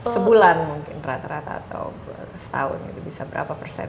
sebulan mungkin rata rata atau setahun itu bisa berapa persen